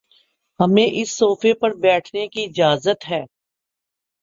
ہمیں اس صوفے پر بیٹھنے کی اجازت ہے